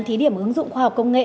thí điểm ứng dụng khoa học công nghệ